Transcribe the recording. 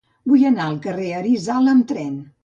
Vull anar al carrer d'Arizala amb tren.